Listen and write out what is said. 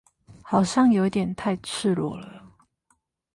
好像有點太赤裸了